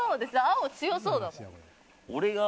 青、強そうだもん。